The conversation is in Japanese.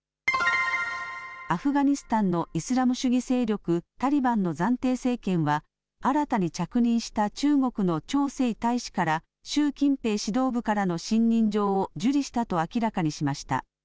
アフガニスタンのイスラム主義勢力タリバンの暫定政権は新たに着任した中国の趙星大使から習近平指導部からの信任状を受理したと明らかにしました。